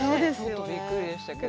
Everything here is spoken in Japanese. びっくりでしたけど。